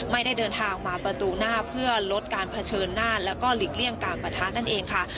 ไม่ได้เดินทางมาประตูหน้าเพื่อลดการเผชิญหน้าแล้วก็หลีกเลี่ยงการปะทะนั่นเองค่ะ